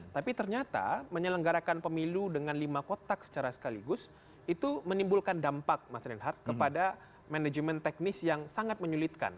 tapi ternyata menyelenggarakan pemilu dengan lima kotak secara sekaligus itu menimbulkan dampak mas reinhardt kepada manajemen teknis yang sangat menyulitkan